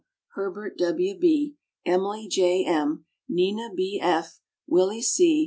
Herbert W. B., Emily J. M., Nina B. F., Willie C.